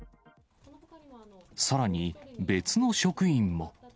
さらに別の職員も。